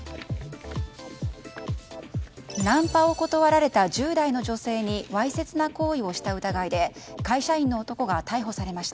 ナンパを断られた１０代の女性にわいせつな行為をした疑いで会社員の男が逮捕されました。